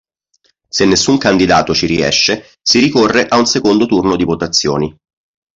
Se nessun candidato ci riesce, si ricorre a un secondo turno di votazioni.